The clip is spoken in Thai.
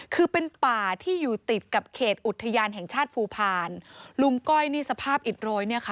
คือเป็นป่าที่อยู่ติดกับเขตอุทยานแห่งชาติภูพาลลุงก้อยนี่สภาพอิดโรยเนี่ยค่ะ